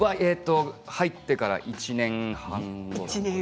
入ってから１年半後。